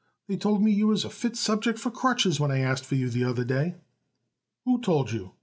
"They told me you was a fit subject for crutches when I asked for you the other day." "Who told you?"